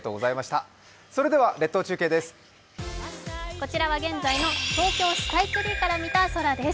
こちらは現在の東京スカイツリーから見た空です。